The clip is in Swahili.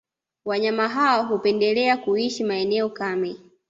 Wanyama hawa hupendelea kuishi maeneo kame